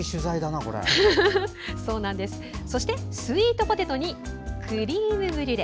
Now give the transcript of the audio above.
そして、スイートポテトにクリームブリュレ。